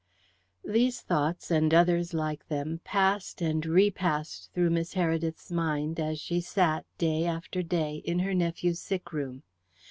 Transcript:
These thoughts, and others like them, passed and repassed through Miss Heredith's mind as she sat, day after day, in her nephew's sick room.